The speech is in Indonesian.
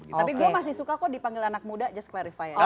tapi gue masih suka kok dipanggil anak muda just clarify ya